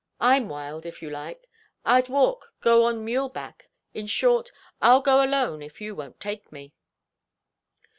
"I'm wild, if you like. I'd walk, go on mule back; in short, I'll go alone if you won't take me."